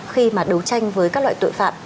khi mà đấu tranh với các loại tội phạm